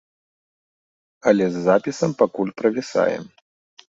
Але з запісам пакуль правісаем.